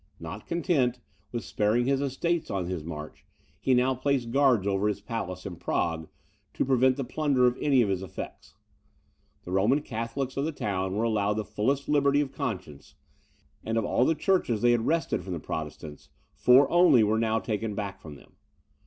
Not content with sparing his estates on his march, he now placed guards over his palace, in Prague, to prevent the plunder of any of his effects. The Roman Catholics of the town were allowed the fullest liberty of conscience; and of all the churches they had wrested from the Protestants, four only were now taken back from them.